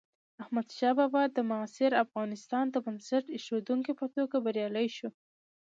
احمدشاه بابا د معاصر افغانستان د بنسټ ایښودونکي په توګه بریالی شو.